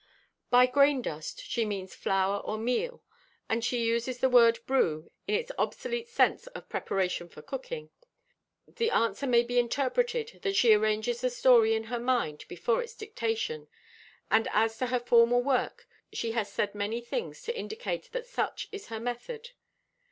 By grain dust she means flour or meal, and she uses the word brew in its obsolete sense of preparation for cooking. The answer may be interpreted that she arranges the story in her mind before its dictation, and as to her formal work she has said many things to indicate that such is her method.